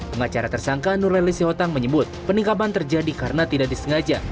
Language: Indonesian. pengacara tersangka nur leli sihotang menyebut peningkapan terjadi karena tidak disengaja